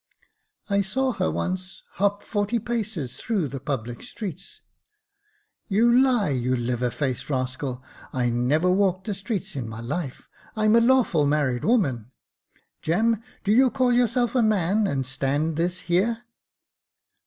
" I saw her once Hop forty paces through the public streets." " You lie, you liver faced rascal. I never walked the streets in my life ; I'm a lawful married woman. Jem, do you call yourself a man, and stand this here